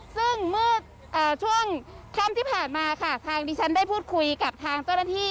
ซึ่งเมื่อช่วงค่ำที่ผ่านมาค่ะทางดิฉันได้พูดคุยกับทางเจ้าหน้าที่